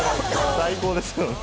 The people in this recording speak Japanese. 最高ですよね。